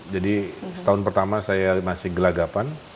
jadi setahun pertama saya masih gelagapan